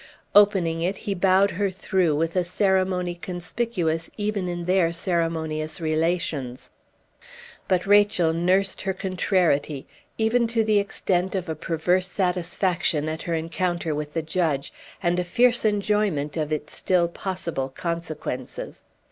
Opening it, he bowed her through with a ceremony conspicuous even in their ceremonious relations. But Rachel nursed her contrariety, even to the extent of a perverse satisfaction at her encounter with the judge, and a fierce enjoyment of its still possible consequences.